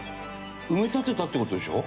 埋め立てたって事でしょ？